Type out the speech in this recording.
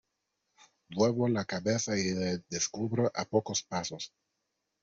vuelvo la cabeza y le descubro a pocos pasos.